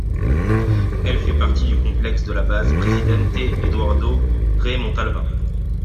Elle fait partie du complexe de la base Presidente Eduardo Frei Montalva.